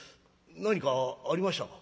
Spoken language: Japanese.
何かありましたか？」。